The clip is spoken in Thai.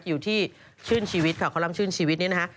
อยู่ที่ชื่นชีวิตค่ะเขาร่ำชื่นชีวิตนี้นะคะ